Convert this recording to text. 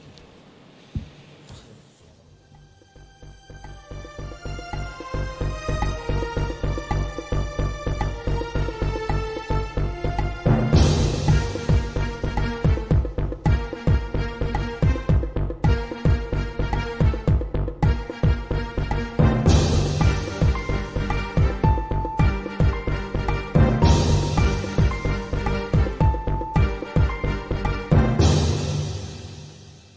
โปรดติดตามตอนต่อไป